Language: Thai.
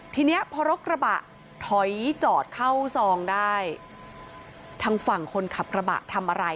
ทีนี้พอรถกระบะถอยจอดเข้าซองได้ทางฝั่งคนขับกระบะทำอะไร